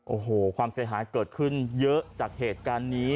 โอ้โหความเสียหายเกิดขึ้นเยอะจากเหตุการณ์นี้